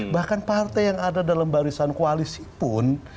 bahkan partai yang ada dalam barisan koalisi pun